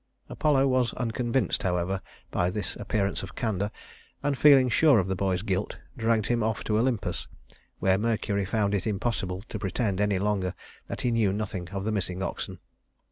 Apollo was unconvinced, however, by this appearance of candor, and feeling sure of the boy's guilt, dragged him off to Olympus, where Mercury found it impossible to pretend any longer that he knew nothing of the missing oxen.